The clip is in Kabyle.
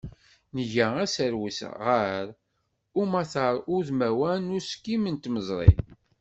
Nga aserwes gar umatar udmawan, d uskim n tmeẓri.